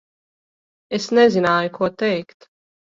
Es nezināju, ko teikt.